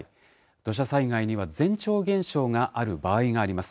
土砂災害には前兆現象がある場合があります。